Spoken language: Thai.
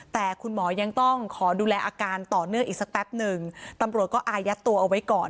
แต่คุณหมอยังต้องขอดูแลอาการต่อเนื่องอีกสักแป๊บหนึ่งตำรวจก็อายัดตัวเอาไว้ก่อน